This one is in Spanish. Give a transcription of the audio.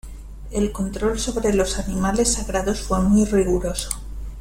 El control sobre los animales sagrados fue muy riguroso.